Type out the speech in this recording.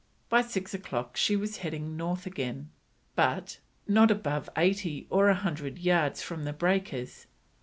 By six o'clock she was heading north again, but: "not above 80 or 100 yards from the breakers.